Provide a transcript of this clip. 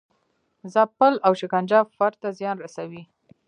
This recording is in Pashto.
ځپل او شکنجه فرد ته زیان رسوي.